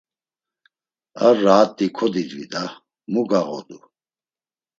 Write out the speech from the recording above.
“Ar raat̆i kodidvi da! Mu gağodu!”